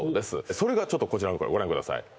それがちょっとこちらご覧ください